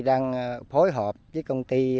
đang phối hợp với công ty